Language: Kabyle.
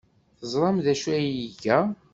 Teẓram d acu ay iga?